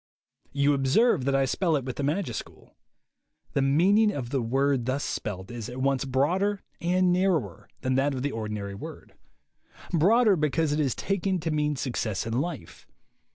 You observe that I spell it with the majuscule. The meaning of the word thus spelt is at once broader and narrower than that of the ordinary word. Broader, because it is taken to mean success in life.